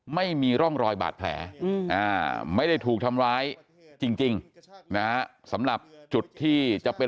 ไม่มีร่องรอยบาดแผลไม่ได้ถูกทำร้ายจริงนะสำหรับจุดที่จะเป็น